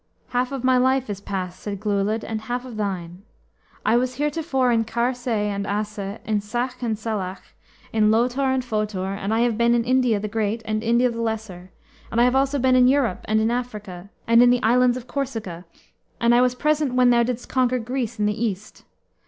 "Half of my life is passed," said Glewlwyd, "and half of thine. I was heretofore in Kaer Se and Asse, in Sach and Salach, in Lotor and Fotor, and I have been in India the Great and India the Lesser, and I have also been in Europe and Africa, and in the islands of Corsica, and I was present when thou didst conquer Greece in the East.